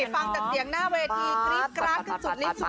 ฟังจากเสียงหน้าเวทีคลิปกราศกันจุดนี้